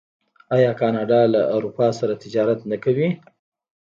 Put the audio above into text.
آیا کاناډا له اروپا سره تجارت نه کوي؟